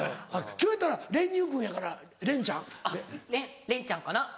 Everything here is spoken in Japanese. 今日やったら練乳君やかられんちゃん。あっれれんちゃんかな？